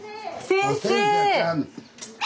先生！